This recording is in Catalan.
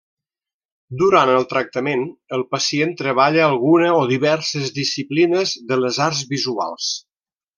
Durant el tractament, el pacient treballa alguna o diverses disciplines de les arts visuals.